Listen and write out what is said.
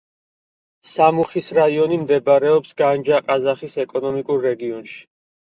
სამუხის რაიონი მდებარეობს განჯა-ყაზახის ეკონომიკურ რეგიონში.